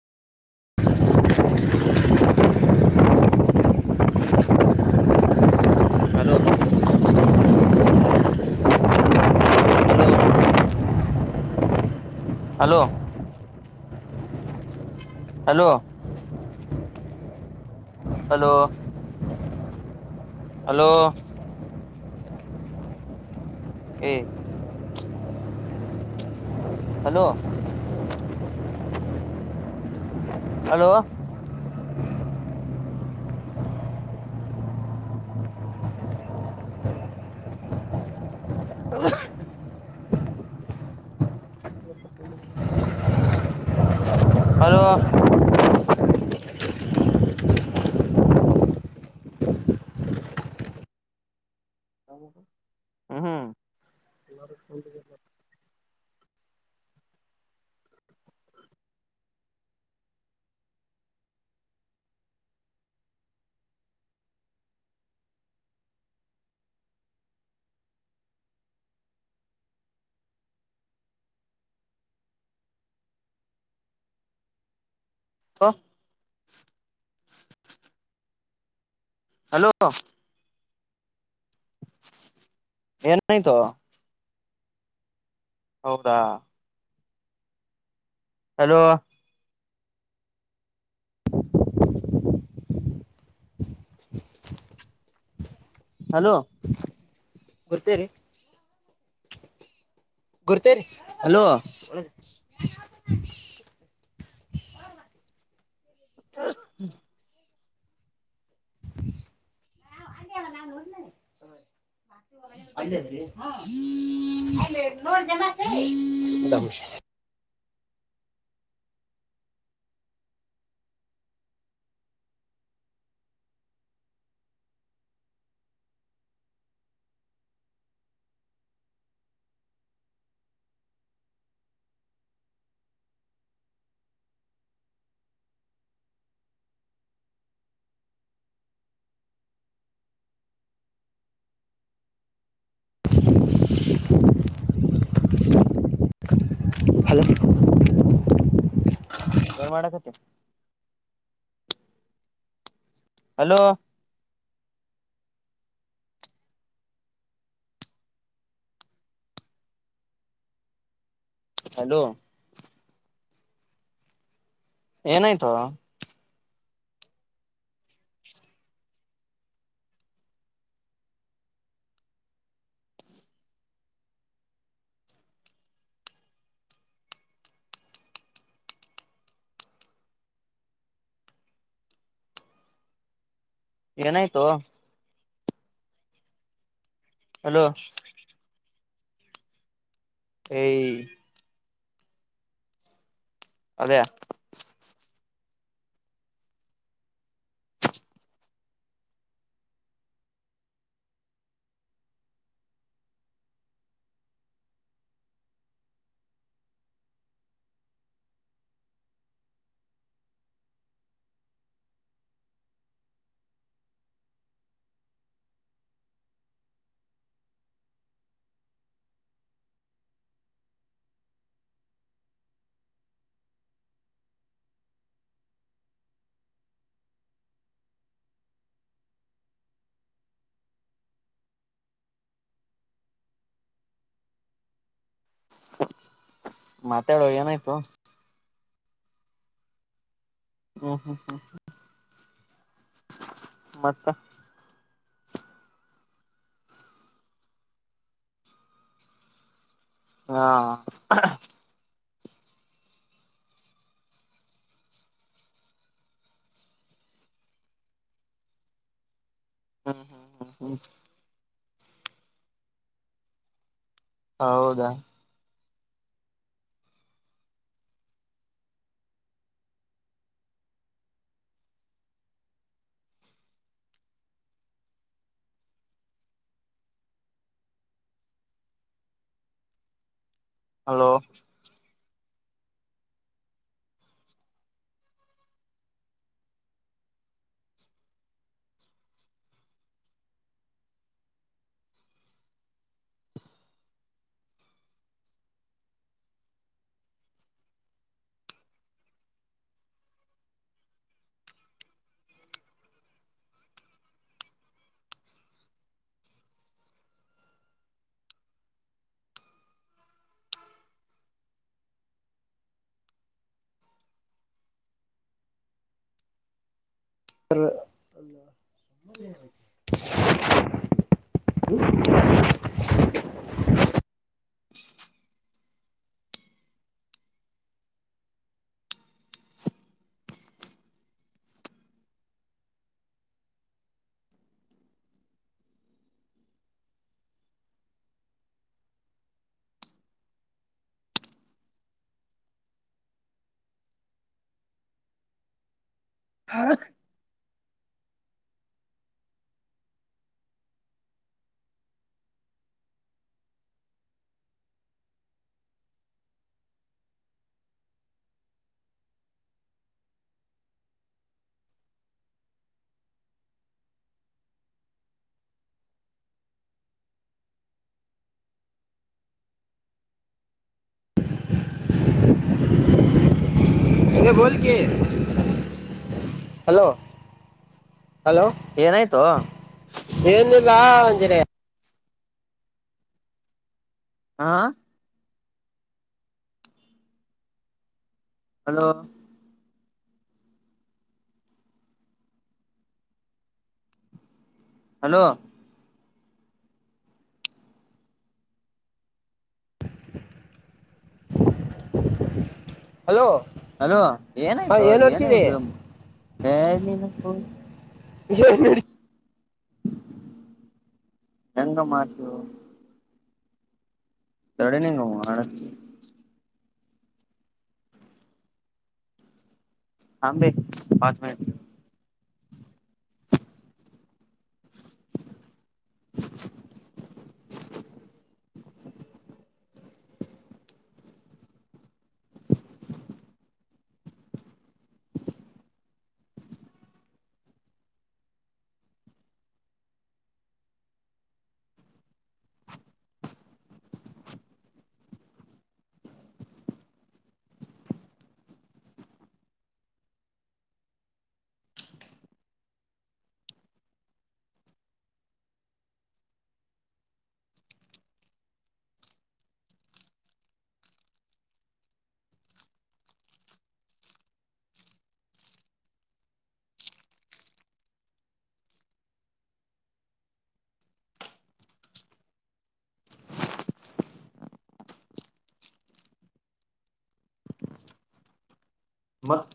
hello hello hello hello hello hello ಹ್ಮ hello hello ಹ ಅದ ಹ್ಮ್ ಹ್ಮ್ ಹ ಹಲೋ ಏನ್ ನ ತ ಹೌದಾ ಹಲೋ [unintelligible] ಹಲೋ ಗರ್ತೇರಿ ಗುರ್ತೇರಿ ಹಲೋ ಒ ್ಮ [unintelligible] [unintelligible] ಹಲೋ ಏನ್ ಮಾಡಕತ್ತ ಹಲೋ ಹಲೋ ಏನಾಯ್ತು ಏನಾಯ್ತು ಹಲೋ [unintelligible] ಅದೇ ಮಾತಾಡುವ ಏನಾಯ್ತು ಹ್ಮ್ ಹ್ಮ್ ಹ್ಮ್ ಮತ್ತೆ ಹಾ ಹ್ಮ್ ಹಾ್ ಹಾ ಹಾ ಹ ಹೌದಾ ಹಲೋ ಸ ಅ ಹ ಹಾ ಯ ಬೋಲ್ಕ ಹಲೋ ಹಲೋ ಏನಾಯ್ತೋ ಏಾಚರಿ ಹಾಂ ಹಲೋ ಹಲೋ ಹಲೋ ಅಲೋ ಹಾ ಏನಾಯ್ತು ಏನ್ ನಡ್ಸಿದಿ ಏನಾಯ್ತುಪ್ಪು [unintelligible] ಗಂಗ ಮಾತ ತಡೆನಂಗ ಹ ಆ ಭ ಪ ಮಿನಿಟ್ ಮತ್ತ